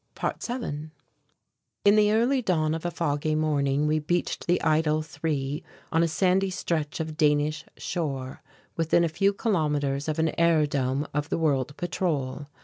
~7~ In the early dawn of a foggy morning we beached the Eitel 3 on a sandy stretch of Danish shore within a few kilometres of an airdome of the World Patrol.